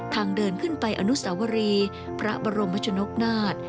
เดินขึ้นไปอนุสาวรีพระบรมชนกนาฏ